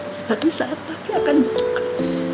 suatu saat papi akan bertukar